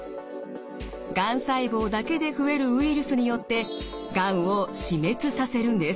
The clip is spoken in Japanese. がん細胞だけで増えるウイルスによってがんを死滅させるんです。